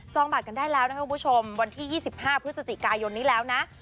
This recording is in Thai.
บัตรกันได้แล้วนะครับคุณผู้ชมวันที่๒๕พฤศจิกายนนี้แล้วนะ